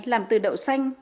làm từ đậu xanh